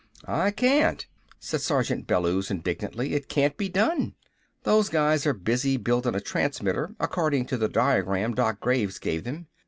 "I can't," said Sergeant Bellews indignantly. "It can't be done. Those guys are busy buildin' a transmitter according to the diagram Doc Graves gave them.